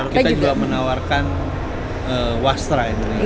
kita juga menawarkan wasra indonesia